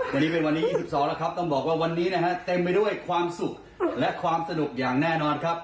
วันนี้เป็นวันที่๒๒แล้วครับต้องบอกว่าวันนี้นะฮะเต็มไปด้วยความสุขและความสนุกอย่างแน่นอนครับ